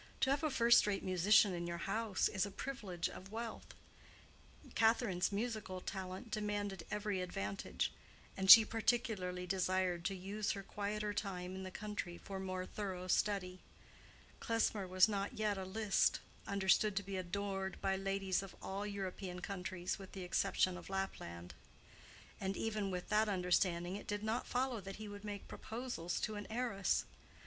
To have a first rate musician in your house is a privilege of wealth; Catherine's musical talent demanded every advantage; and she particularly desired to use her quieter time in the country for more thorough study. Klesmer was not yet a Liszt, understood to be adored by ladies of all European countries with the exception of Lapland: and even with that understanding it did not follow that he would make proposals to an heiress.